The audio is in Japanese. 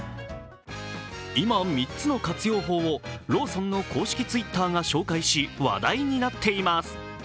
今、３つの活用法をローソンの公式Ｔｗｉｔｔｅｒが紹介し、話題になっています。